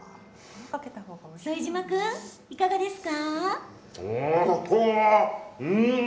副島君、いかがですか？